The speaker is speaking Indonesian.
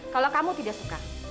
kalau kamu tidak suka